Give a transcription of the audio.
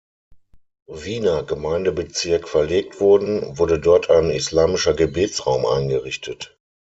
Wiener Gemeindebezirk verlegt wurden, wurde dort ein islamischer Gebetsraum eingerichtet.